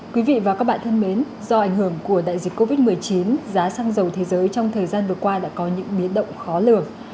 quý vị và các bạn thân mến do ảnh hưởng của đại dịch covid một mươi chín giá xăng dầu thế giới trong thời gian vừa qua đã có những biến động khó lường